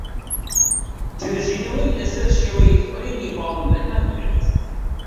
توێژینەوەی لەسەر شێوەی فڕینی باڵندەکان کرد.